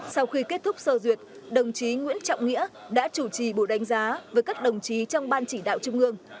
sau khi kết thúc sơ duyệt đồng chí nguyễn trọng nghĩa đã chủ trì buổi đánh giá với các đồng chí trong ban chỉ đạo trung ương